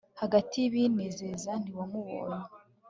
hagati y'ibinezeza ntiwamubonye